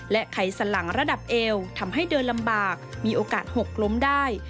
ไขสลังระดับเอวทำให้เดินลำบากมีโอกาสหกล้มได้